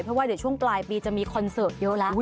เพราะว่าเดี๋ยวช่วงปลายปีจะมีคอนเสิร์ตเยอะแล้ว